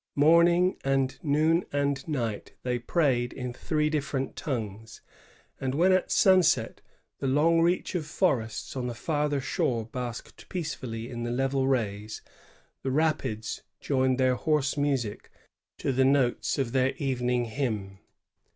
Morning and noon and night they prayed in three different tongues; and when at sunset the long reach of forests on the farther shore basked peacefully in the leyel rays, the rapids joined their hoarse music to the notes of their evening hymn.